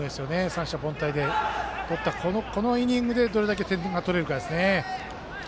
三者凡退でとったこのイニングでどれだけ点が取れるかですね。